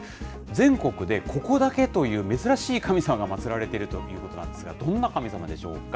全国でここだけという珍しい神様が祭られているということなんですが、どんな神様でしょうか。